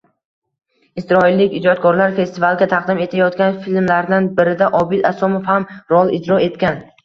Isroillik ijodkorlar festivalga taqdim etayotgan filmlardan birida Obid Asomov ham rol ijro etgan